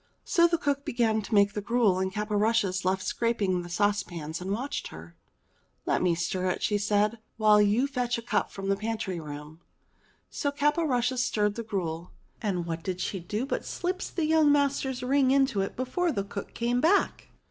So the cook began to make the gruel, and Caporushes left scraping saucepans and watched her. 3o6 ENGLISH FAI.RY TALES "Let me stir it," she said, "while you fetch a cup from the pantry room." So Caporushes stirred the gruel, and what did she do but slips young master's ring into it before the cook came back